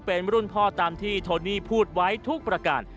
เป็นรุ่นพ่อตามที่โทนี่พูดไว้ทุกประการ